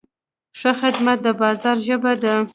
ښه خدمت د بازار ژبه ده.